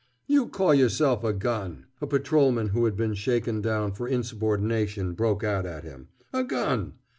"You call yourself a gun!" a patrolman who had been shaken down for insubordination broke out at him. "A gun!